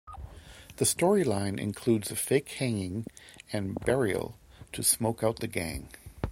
The story line includes a fake hanging and burial to smoke out the gang.